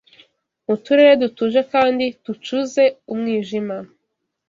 mu turere dutuje kandi tucuze umwijima